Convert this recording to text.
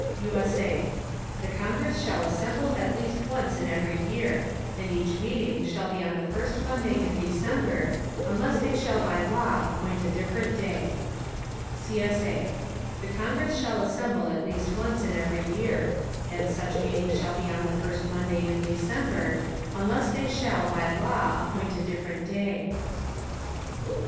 [USA] The Congress shall assemble at least once in every Year, and such Meeting shall be on the first Monday in December, unless they shall by Law appoint a different Day. [CSA] The Congress shall assemble at least once in every year; and such meeting shall be on the first Monday in December, unless they shall, by law, appoint a different day.